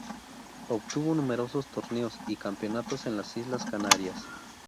Obtuvo numerosos torneos y campeonatos en las Islas Canarias.